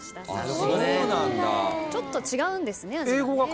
ちょっと違うんですね味が。